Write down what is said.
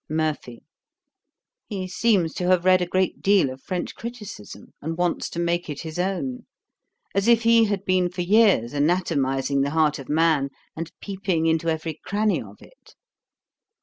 MURPHY. 'He seems to have read a great deal of French criticism, and wants to make it his own; as if he had been for years anatomising the heart of man, and peeping into every cranny of it.'